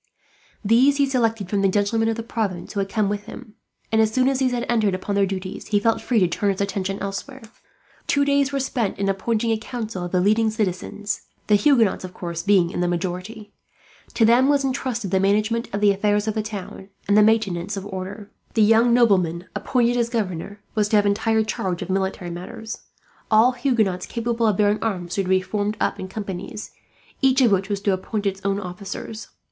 These he selected from the gentlemen of the province who had come with him and, as soon as these had entered upon their duties, he felt free to turn his attention elsewhere. Two days were spent in appointing a council of the leading citizens, the Huguenots of course being in the majority. To them was intrusted the management of the affairs of the town, and the maintenance of order. The young nobleman appointed as governor was to have entire charge of military matters. All Huguenots capable of bearing arms were to be formed up in companies, each of which was to appoint its own officers.